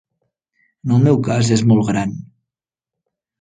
En el meu cas és molt gran.